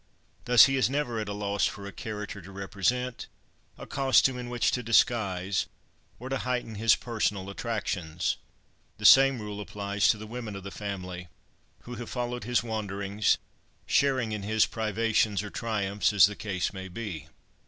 Thus, he is never at a loss for a character to represent, a costume in which to disguise, or to heighten his personal attractions. The same rule applies to the women of the family, who have followed his wanderings, sharing in his privations or triumphs, as the case may be.